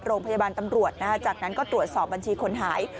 โรงพยาบาลตำรวจจากนั้นก็ตรวจสอบบัญชีคนหาย